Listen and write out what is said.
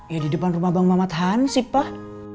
ya di depan rumah bang mamat han sih pak